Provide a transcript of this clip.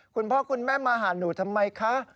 คุณพ่อคุณแม่มาหาหนูทำไมคะ